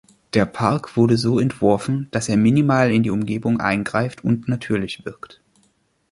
Der Park wurde so entworfen, dass er minimal in die Umgebung eingreift und natürlich wirkt.